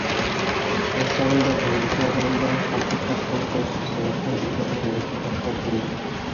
Ул сағында быуындар араһындағы ҡапма-ҡаршылыҡ юҡҡа сығыр һәм үҙ-ара аңлаша башлар инек.